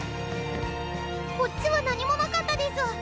こっちは何もなかったデス。